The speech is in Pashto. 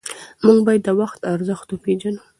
موږ باید د وخت ارزښت وپېژنو.